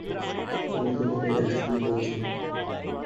উনি তোমাকে দেখাশোনা করছেন।